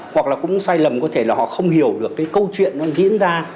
hoặc là cũng sai lầm có thể là họ không hiểu được cái câu chuyện nó diễn ra